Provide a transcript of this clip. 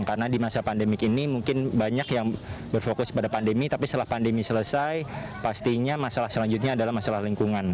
karena di masa pandemi ini mungkin banyak yang berfokus pada pandemi tapi setelah pandemi selesai pastinya masalah selanjutnya adalah masalah lingkungan